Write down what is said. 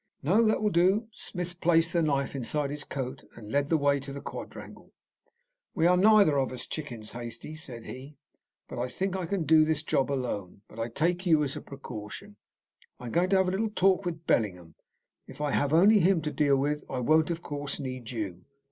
"No; that will do." Smith placed the knife inside his coat, and led the way to the quadrangle. "We are neither of us chickens, Hastie," said he. "I think I can do this job alone, but I take you as a precaution. I am going to have a little talk with Bellingham. If I have only him to deal with, I won't, of course, need you.